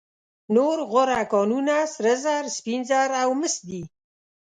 نور غوره کانونه سره زر، سپین زر او مس دي.